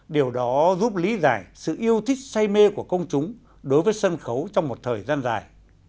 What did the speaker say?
điều đó giúp lý giải sự yêu thích say mê của công chúng đối với sân khấu trong một thời gian dài